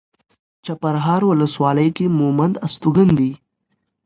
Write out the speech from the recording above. چپرهار ولسوالۍ کې مومند استوګن دي.